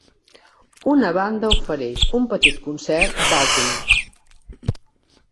Una banda ofereix un petit concert a Baltimore.